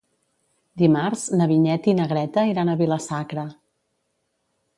Dimarts na Vinyet i na Greta iran a Vila-sacra.